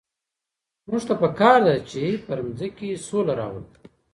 موږ ته په کار ده چي پر مځکي سوله راولو.